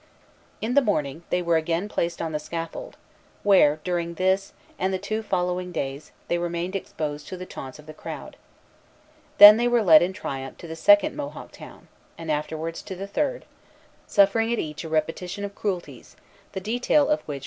In the morning, they were again placed on the scaffold, where, during this and the two following days, they remained exposed to the taunts of the crowd. Then they were led in triumph to the second Mohawk town, and afterwards to the third, suffering at each a repetition of cruelties, the detail of which would be as monotonous as revolting.